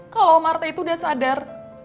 kalau om arta itu udah sadar